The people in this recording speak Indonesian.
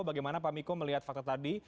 bagaimana pak miko melihat fakta tadi